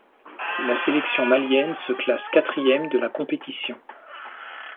La sélection malienne se classe quatrième de la compétition.